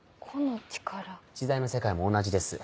知財の世界も同じです。